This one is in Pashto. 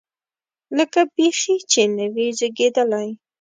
لکه بیخي چې نه وي زېږېدلی.